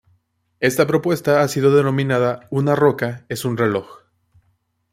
Esta propuesta ha sido denominada "Una roca es un reloj".